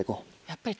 やっぱり。